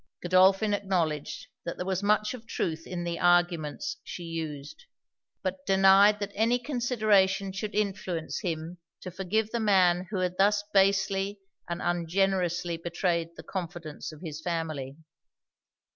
Godolphin acknowledged that there was much of truth in the arguments she used; but denied that any consideration should influence him to forgive the man who had thus basely and ungenerously betrayed the confidence of his family.